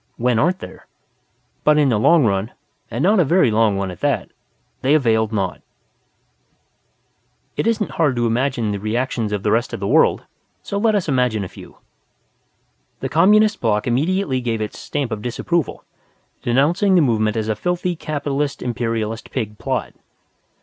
When aren't there? But in the long run, and not a very long one at that, they availed naught. It isn't hard to imagine the reactions of the rest of the world. So let us imagine a few. The Communist Block immediately gave its Stamp of Disapproval, denouncing the movement as a filthy Capitalist Imperialist Pig plot.